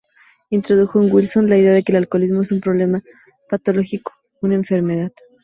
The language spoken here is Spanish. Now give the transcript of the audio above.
Introdujo en Wilson la idea que el alcoholismo es un problema patológico, una enfermedad.